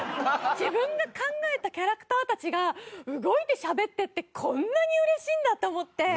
自分が考えたキャラクターたちが動いてしゃべってってこんなに嬉しいんだって思って。